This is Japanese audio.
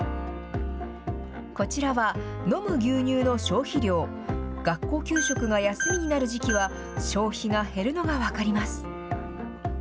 こちらは、飲む牛乳の消費量、学校給食が休みになる時期は、消費が減るのが分かります。